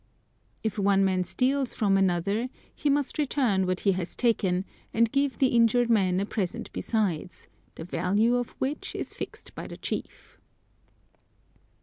If one man steals from another he must return what he has taken, and give the injured man a present besides, the value of which is fixed by the chief.